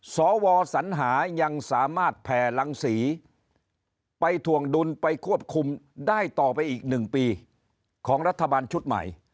สวสัญหายังสามารถแผ่รังศรีไปถ่วงดุลไปควบคุมได้ต่อไปอีก๑ปีของรัฐบาลชุดใหม่